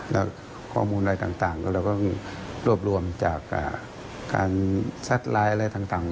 แล้วข้อมูลอะไรต่างก็เราต้องรวบรวมจากการแชทไลน์อะไรต่าง